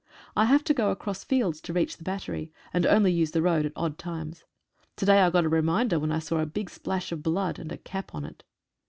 I have to go across fields to reach the battery, and only use the road at odd times. To day I got a reminder when I saw a big splash of blood and a cap on it.